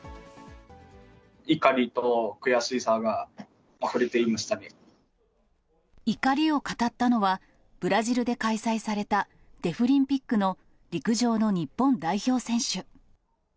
怒りと悔しさがあふれていま怒りを語ったのは、ブラジルで開催されたデフリンピックの陸上の日本代表選手。